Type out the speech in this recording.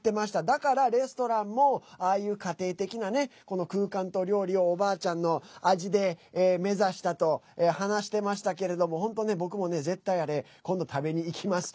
だから、レストランもああいう家庭的な空間と料理をおばあちゃんの味で目指したと話してましたけれども本当ね、僕もね、絶対あれ今度、食べに行きます。